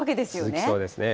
続きそうですね。